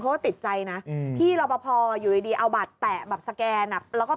เขาติดใจนะที่รปพออยู่ดีเอาบัตรแตะแบบสแกนแล้วก็